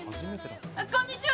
こんにちは。